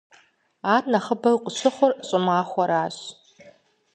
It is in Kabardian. Ар нэхъыбэу къыщыхъур щӀымахуэращ.